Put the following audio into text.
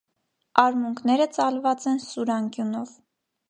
Արմունկները ծալված են սուր անկյունով։